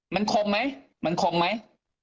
มันคมไหมมันคมไหม